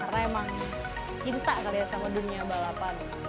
karena emang cinta kali ya sama dunia balapan